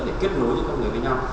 để kết nối những con người với nhau